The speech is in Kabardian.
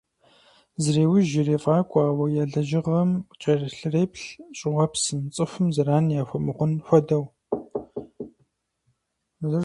Зреужь, ирефӀакӀуэ, ауэ я лэжьыгъэм кӀэлъреплъ, щӀыуэпсым, цӀыхум зэран яхуэмыхъун хуэдэу.